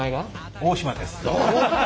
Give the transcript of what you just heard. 大島です。